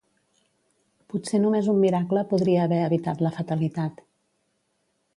Potser només un miracle podria haver evitar la fatalitat.